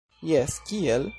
Jes kiel?